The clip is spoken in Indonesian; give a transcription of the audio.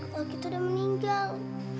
kalau kita udah meninggal